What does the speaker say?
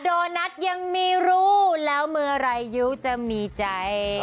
โดนัทยังไม่รู้แล้วเมื่อไหร่ยูจะมีใจ